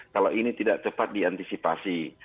kalau ini tidak cepat diantisipasi